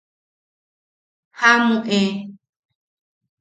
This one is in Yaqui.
¡Jaʼamu e!